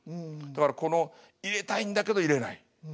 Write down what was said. だからこの入れたいんだけど入れない。